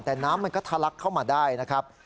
แต่น้ำมันก็ทะลักเข้ามาได้นะครับ